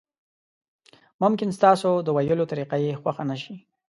ممکن ستاسو د ویلو طریقه یې خوښه نشي.